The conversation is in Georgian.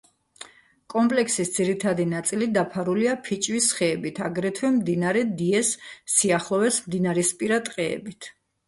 კომპლექსის ძირითადი ნაწილი დაფარულია ფიჭვის ხეებით, აგრეთვე მდინარე დიეს სიახლოვეს მდინარისპირა ტყეებით.